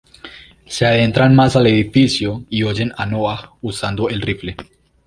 Se adentran más en el edificio y oyen a Noah usando el rifle.